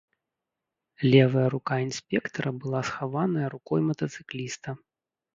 Левая рука інспектара была схаваная рукой матацыкліста.